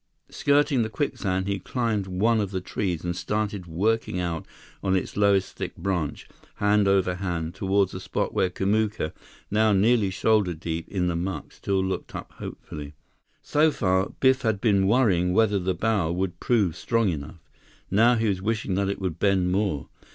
Skirting the quicksand, he climbed one of the trees and started working out on its lowest thick branch, hand over hand, toward the spot where Kamuka, now nearly shoulder deep in the muck, still looked up hopefully. So far, Biff had been worrying whether the bough would prove strong enough. Now he was wishing that it would bend more.